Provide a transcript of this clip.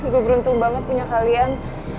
gue beruntung banget punya kalian